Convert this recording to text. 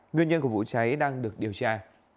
nguyên nhân của vụ cháy đang được điều tra